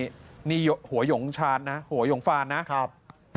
นี่หัวหยงชาญนะหัวหยงฟานนะครับ